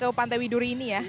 ya alasan ke pantai widuri ini ya